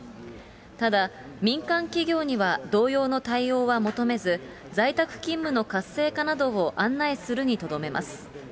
ただ、民間企業には同様の対応は求めず、在宅勤務の活性化などを案内するにとどめます。